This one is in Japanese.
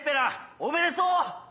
おめでとう！